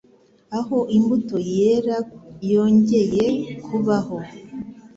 aho imbuto yera yongeye kubaho